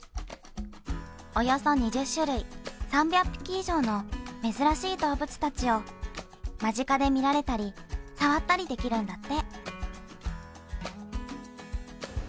およそ２０種類、３００匹以上の珍しい動物たちを間近で見られたり、触ったりできるんだって。